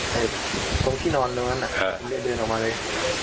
ตรงที่นอนตรงนั้นผมเลยเดินออกมาเลย